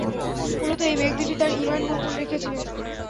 মূলত এই ব্যক্তিটি তার ঈমান গোপন রেখেছিলেন।